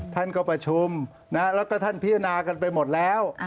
ท่านก็ประชุมแล้วก็ท่านพิจารณากันไปหมดแล้ว